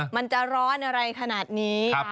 มันจะร้อนอะไรขนาดนี้